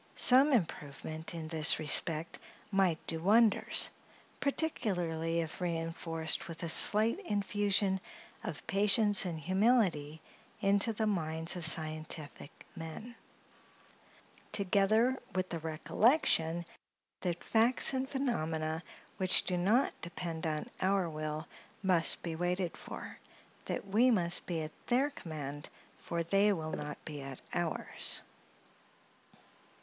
Some improvement in this respect might do wonders, particularly if reinforced with a slight infusion of patience and humility into the minds of scientific men; together with the recollection that facts and phenomena, which do not depend on our will, must be waited for—that we must be at their command, for they will not be at ours.